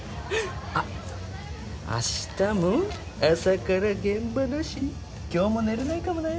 あっ明日も朝から現場だし今日も寝れないかもな。